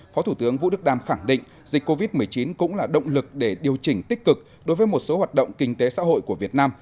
phó thủ tướng vũ đức đam khẳng định dịch covid một mươi chín cũng là động lực để điều chỉnh tích cực đối với một số hoạt động kinh tế xã hội của việt nam